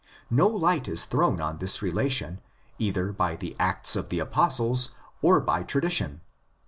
No light is thrown on this relation either by the Acts of the Apostles or by tradition.